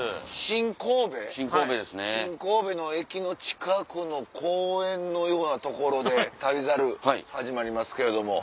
新神戸の駅の近くの公園のような所で『旅猿』始まりますけれども。